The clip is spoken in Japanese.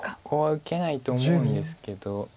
ここは受けないと思うんですけど。